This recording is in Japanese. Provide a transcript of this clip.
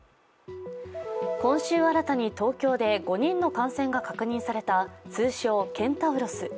今週新たに東京で５人の感染が確認された通称ケンタウロス。